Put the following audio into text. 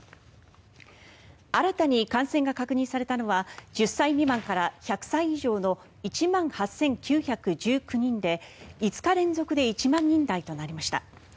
新たに感染が確認されたのは１０歳未満から１００歳以上の１万８９１９人で、５日連続で１万人台となりました。